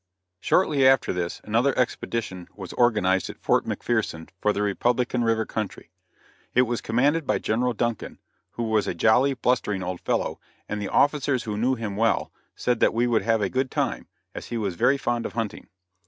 Shortly after this, another expedition was organized at Fort McPherson for the Republican river country. It was commanded by General Duncan, who was a jolly, blustering old fellow, and the officers who knew him well, said that we would have a good time, as he was very fond of hunting.